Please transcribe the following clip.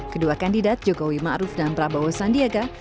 kedua kandidat jokowi ma'ruf dan prabowo sandiaga